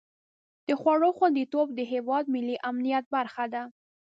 د خوړو خوندیتوب د هېواد ملي امنیت برخه ده.